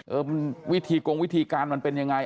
วิธีกงวิธีการมันเป็นยังไง